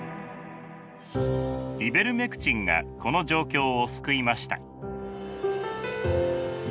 イベルメクチンがこの状況を救いました。